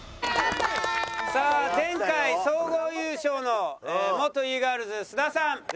さあ前回総合優勝の元Ｅ−ｇｉｒｌｓ須田さん。